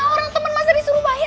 orang temen masa disuruh bayar